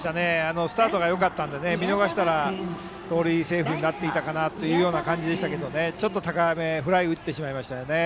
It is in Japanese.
スタートがよかったので見逃したら、盗塁セーフになっていた感じでしたがちょっと高めフライを打ってしまいましたね。